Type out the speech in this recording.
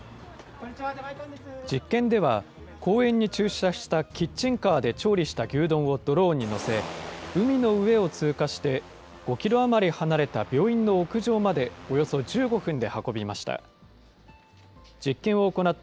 実験では、公園に駐車したキッチンカーで調理した牛丼をドローンに載せ、海の上を通過して、５キロ余り離れた病院の屋上までおよそ１５分で運びました。